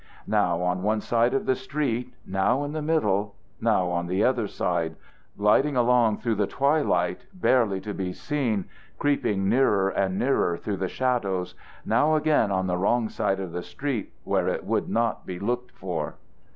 Now on one side of the street, now in the middle, now on the other side; gliding along through the twilight, barely to be seen, creeping nearer and nearer through the shadows, now again on the wrong side of the street where it would not be looked for.